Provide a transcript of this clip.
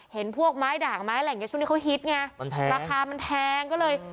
เห็นพวกไม้ด่างไม้อะไรอย่างนี้ช่วงนี้เขาฮิตไงมันแพงราคามันแพงก็เลย